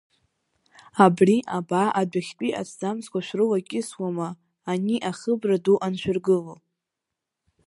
Абри абаа адәахьтәи аҭӡамцқәа шәрылакьысуама, ани ахыбра ду аншәыргыло?